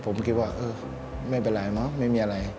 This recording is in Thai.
ผมคิดว่าไม่เป็นไรนะไม่มีอะไร